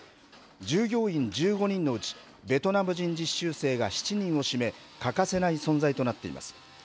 従業員１５人のうち、ベトナム人実習生が７人を占め、欠かせない存在となっています。